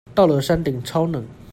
到了山頂超冷